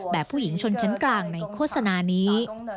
ผู้หญิงชนชั้นกลางในโฆษณานี้